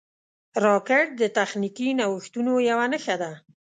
راکټ د تخنیکي نوښتونو یوه نښه ده